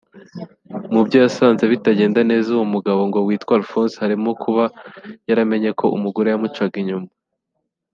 Mubyo yasanze bitagenda neza uwo mugabo ngo witwa Alphonse harimo kuba yaramenye ko umugore yamucaga inyuma